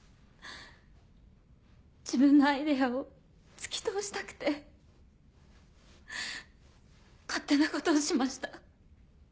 自分のアイデアを突き通したくて勝手なことをしました。